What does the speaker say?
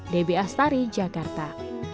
debbie astari jakarta